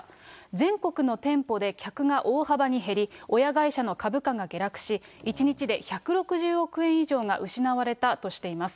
全国の店舗で客が大幅に減り、親会社の株価が下落し、１日で１６０億円以上が失われたとしています。